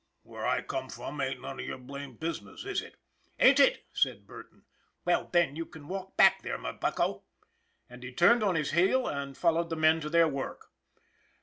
Where I come from ain't none of your blamed business, is it? " "Ain't it?" said Burton. "Well, then, you can walk back there, my bucko !" and he turned on his heel and followed the men to their work.